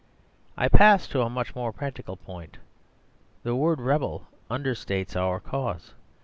I pass to a much more practical point. The word "rebel" understates our cause.